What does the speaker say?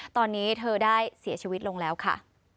ตอนนี้เธอได้เสียชีวิตลงแล้วค่ะ